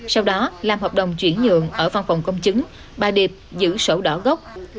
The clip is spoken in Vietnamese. sau đó làm hợp đồng chuyển nhượng ở văn phòng công chứng bà điệp giữ sổ đỏ gốc